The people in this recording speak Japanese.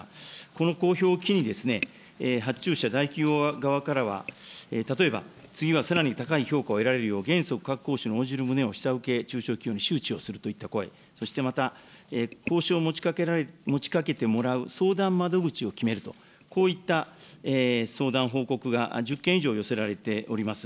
この公表を機に、発注者、大企業側からは例えば、次はさらに高い評価を得られるよう、原則価格交渉に応じる旨を下請け中小企業に周知をするといった声、そしてまた交渉を持ちかけてもらう相談窓口を決めると、こういった相談報告が１０件以上寄せられております。